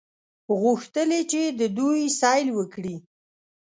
غوښتل یې چې د دوی سیل وکړي.